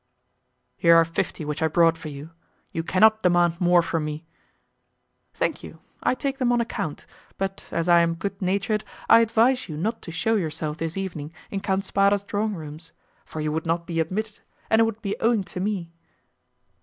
"Here are fifty which I brought for you; you cannot demand more from me." "Thank you, I take them on account, but as I am good natured I advise you not to shew yourself this evening in Count Spada's drawing rooms, for you would not be admitted, and it would be owing to me."